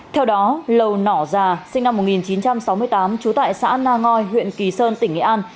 theo đó lầu nỏ già sinh năm một nghìn chín trăm sáu mươi tám trú tại xã na ngoi huyện kỳ sơn tỉnh nghệ an